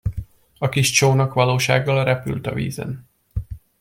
A kis csónak valósággal repült a vízen.